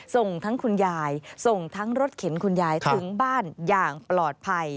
ส่งทั้งคุณยายส่งทั้งรถเข็นคุณยายถึงบ้านอย่างปลอดภัย